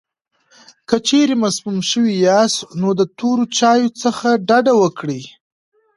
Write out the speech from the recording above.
که چېرې مسموم شوي یاست، نو د تورو چایو څخه ډډه وکړئ.